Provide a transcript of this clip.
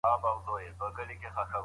زه دا مهال حقدار ته حق ورسپارم.